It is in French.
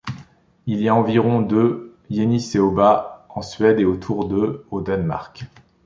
Il y a environ de Yeniceoba en Suède et autour de au Danemark.